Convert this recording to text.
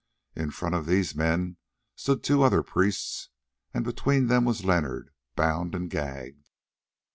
In front of these men stood two other priests, and between them was Leonard bound and gagged.